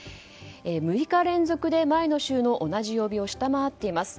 ６日連続で前の週の同じ曜日を下回っています。